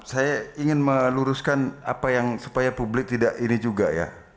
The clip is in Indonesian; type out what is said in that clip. saya ingin meluruskan apa yang supaya publik tidak ini juga ya